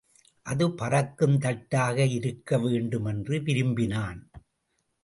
அது பறக்கும் தட்டாக இருக்கவேண்டும் என்று விரும்பினான்.